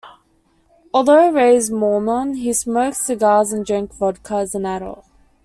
Although raised Mormon, he smoked cigars and drank vodka as an adult.